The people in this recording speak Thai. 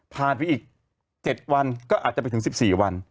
ไปอีก๗วันก็อาจจะไปถึง๑๔วัน